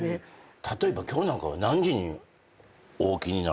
例えば今日なんかは何時にお起きになられるわけですか？